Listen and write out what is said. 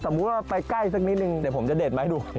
มุติว่าไปใกล้สักนิดนึงเดี๋ยวผมจะเด็ดมาให้ดู